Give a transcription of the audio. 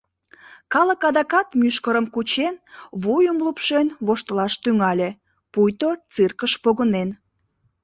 Калык адакат, мӱшкырым кучен, вуйым лупшен, воштылаш тӱҥале, пуйто циркыш погынен...